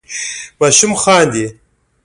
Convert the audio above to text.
ماشوم خاندي.